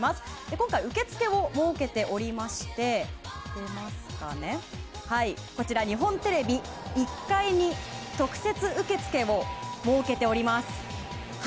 今回、受付を設けておりまして日本テレビ１階に特設受付を設けております。